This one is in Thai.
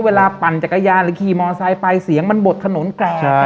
ปั่นจักรยานหรือขี่มอไซค์ไปเสียงมันบดถนนแกร่ง